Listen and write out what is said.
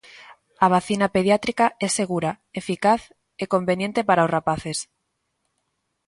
A vacina pediátrica é segura, eficaz e conveniente para os rapaces.